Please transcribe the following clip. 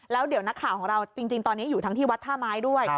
แล้วเดี๋ยวนักข่าวของเราจริงตอนนี้อยู่ทั้งที่วัดท่าไม้ด้วย